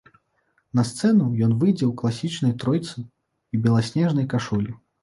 На сцэну ён выйдзе ў класічнай тройцы і беласнежнай кашулі.